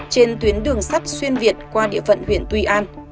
trên tuyến đường sắt xuyên việt qua địa phận huyện tuy an